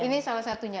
ini salah satunya